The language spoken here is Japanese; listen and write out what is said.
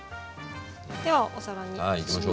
ではお皿に移します。